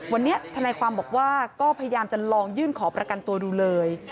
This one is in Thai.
วันนี้ทนายความบอกว่าก็พยายามจะลองยื่นขอประกันตัวดูเลย